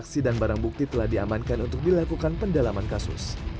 saksi dan barang bukti telah diamankan untuk dilakukan pendalaman kasus